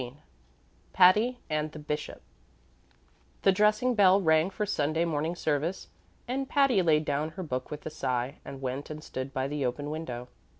XV Patty and the Bishop The dressing bell rang for Sunday morning service, and Patty laid down her book with a sigh and went and stood by the open window.